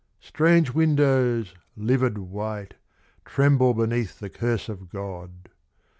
Strange windows livid white, Tremble beneath the curse of God.